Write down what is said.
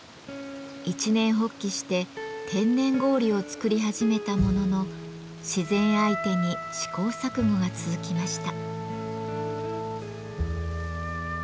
一念発起して天然氷を作り始めたものの自然相手に試行錯誤が続きました。